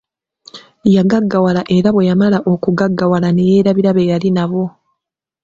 Yagaggawala era bwe yamala okugaggawala ne yeerabira be yali nabo.